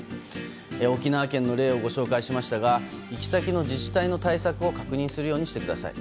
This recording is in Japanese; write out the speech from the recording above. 沖縄県の例をご紹介しましたが行き先の自治体の対策を確認するようにしてください。